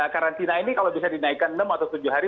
karantina ini kalau bisa dinaikkan enam atau tujuh hari